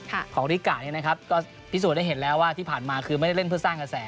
ของริกะเนี่ยนะครับก็พิสูจน์ได้เห็นแล้วว่าที่ผ่านมาคือไม่ได้เล่นเพื่อสร้างกระแส